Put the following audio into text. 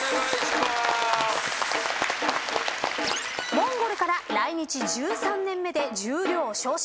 モンゴルから来日１３年目で十両昇進。